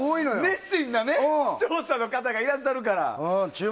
熱心な視聴者の方がいらっしゃるから。